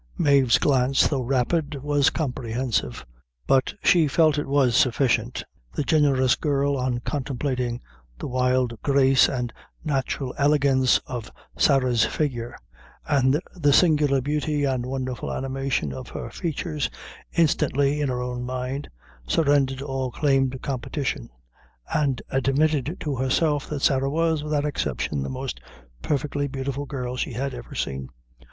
Mave's glance, though rapid, was comprehensive; but she felt it was sufficient: the generous girl, on contemplating the wild grace and natural elegance of Sarah's figure, and the singular beauty and wonderful animation of her features, instantly, in her own mind, surrendered all claim to competition, and admitted to herself that Sarah was, without exception, the most perfectly beautiful girl she ever seen.